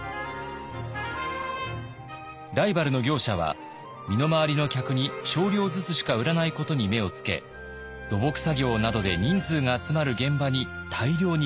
ライバルの業者は身の回りの客に少量ずつしか売らないことに目をつけ土木作業などで人数が集まる現場に大量に持ち込みます。